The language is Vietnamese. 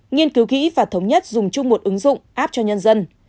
nghiên cứu kỹ và thống nhất dùng chung một ứng dụng app cho nhân dân